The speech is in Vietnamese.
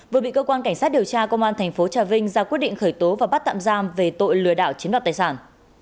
vừa bị cơ quan cảnh sát điều tra công an thành phố trà vinh ra quyết định khởi tố và bắt tạm giam về tội lừa đảo chiếm đoạt tài sản